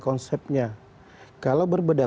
konsepnya kalau berbeda